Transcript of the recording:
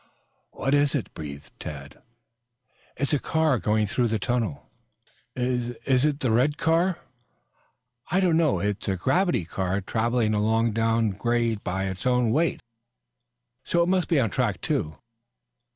"What is it?" breathed Tad. "It's a car going through the tunnel." "Is is it the red car?" "I don't know. It's a gravity car traveling along down grade by its own weight, so it must be on track two."